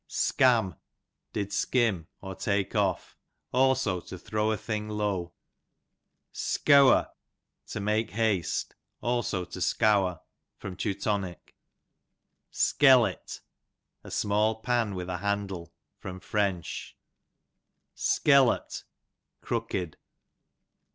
Skam, did skim, or take off; also to throw a thing low. Skeawr, to make haste; also to scour. Teu. Skellit, a small pan with a handle. Fr. Skellut, crook'd.